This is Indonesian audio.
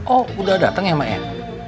oh udah datang ya mak ya